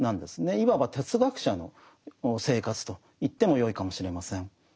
いわば哲学者の生活と言ってもよいかもしれません。